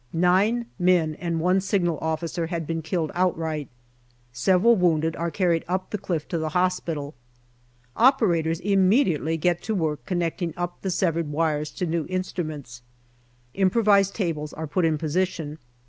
Nine men and one Signal Officer have been killed outright. Several wounded are carried up the cliff to the hospital. Operators immediately get to work connecting up the severed wires to new instruments. Improvised tables are put in position.